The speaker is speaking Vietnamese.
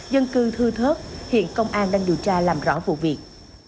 dân cư thưa thớt hiện công an đang điều tra làm rõ vụ việc